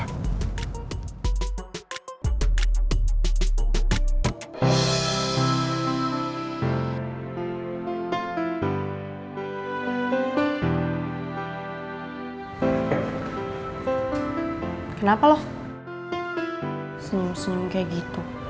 kenapa lo senyum senyum kayak gitu